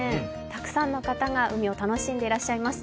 たくさんの方が海を楽しんでらっしゃいます。